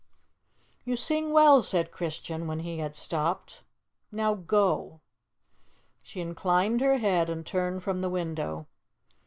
"You sing well," said Christian when he had stopped; "now go." She inclined her head and turned from the window.